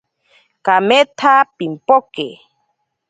Kametsa pimpoke.